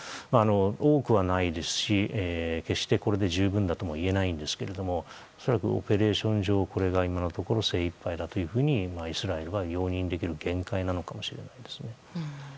多くはないですし決して、これで十分だとも言えないんですけども恐らく、オペレーション上これが今のところ精いっぱいだというふうにイスラエルは容認できる限界なのかもしれないですね。